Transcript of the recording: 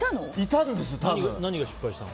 何が失敗したの？